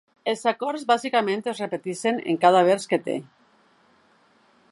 Els acords bàsicament es repeteixen amb cada vers que té.